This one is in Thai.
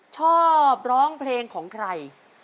ชอบร้องเพลงของใคร